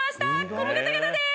この方々です！